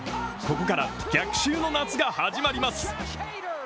ここから逆襲の夏が始まります。